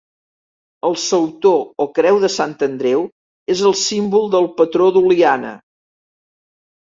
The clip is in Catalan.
El sautor, o creu de Sant Andreu, és el símbol del patró d'Oliana.